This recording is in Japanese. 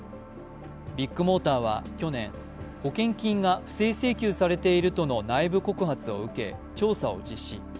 ビッグモーターは去年、保険金が不正請求されているとの内部告発を受け、調査を実施。